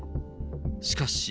しかし。